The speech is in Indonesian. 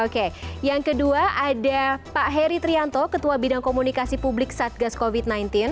oke yang kedua ada pak heri trianto ketua bidang komunikasi publik satgas covid sembilan belas